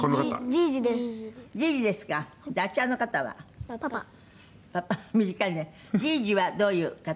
じいじはどういう方？